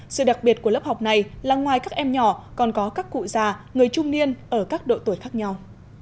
sự đặc biệt của lớp học này là ngoài các em nhỏ còn có các cụ già người trung niên ở các độ tuổi khác nhau